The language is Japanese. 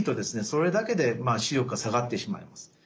それだけで視力が下がってしまいます。